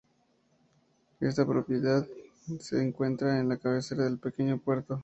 Esta propiedad se encuentra a la cabecera del pequeño puerto.